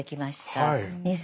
はい。